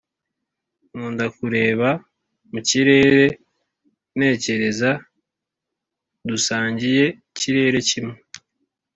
nkunda kureba mu kirere ntekereza "dusangiye ikirere kimwe"